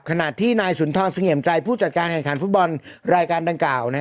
ขณะที่นายสุนทรเสงี่ยมใจผู้จัดการแข่งขันฟุตบอลรายการดังกล่าว